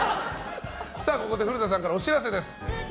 ここで古田さんからお知らせです。